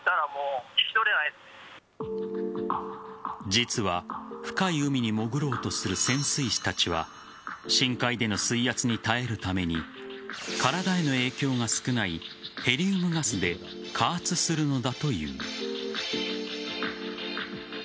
実は深い海に潜ろうとする潜水士たちは深海での水圧に耐えるために体への影響が少ないヘリウムガスで加圧するのだという。